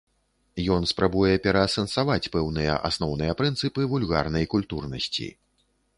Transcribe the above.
Ён спрабуе пераасэнсаваць пэўныя асноўныя прынцыпы вульгарнай культурнасці.